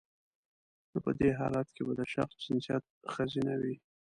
نو په دی حالت کې به د شخص جنسیت خځینه وي